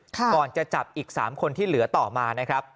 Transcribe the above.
ก่อนจะจับอีก๓คนที่เหลือต่อมานะครับ